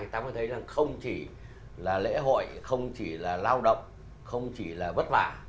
thì ta có thể thấy là không chỉ là lễ hội không chỉ là lao động không chỉ là vất vả